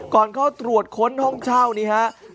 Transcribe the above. ก่อนเข้าตรวจค้นห้องเช่านี้ครับ